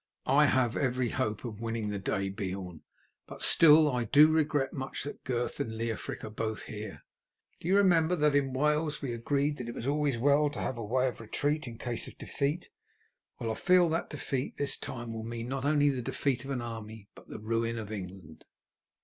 "I have every hope of winning the day, Beorn, but still I do regret much that Gurth and Leofric are both here. Do you remember that in Wales we agreed that it was always well to have a way of retreat in case of defeat? Well, I feel that defeat this time will mean not only the defeat of an army but the ruin of England."